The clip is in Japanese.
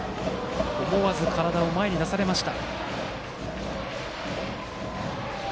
思わず体を前に出されました。